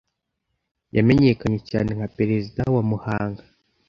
yamenyekanye cyane nka perezida wa Muhanga